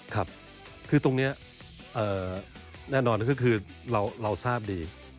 คือตรงนี้แน่นอนเราทราบดี